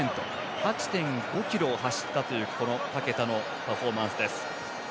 ８．５ｋｍを走ったというパケタのパフォーマンスです。